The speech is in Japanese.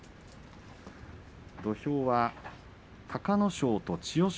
土俵は隆の勝と千代翔